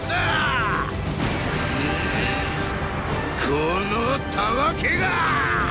このたわけがっ！！